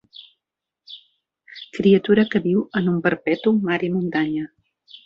Criatura que viu en un perpetu mar i muntanya.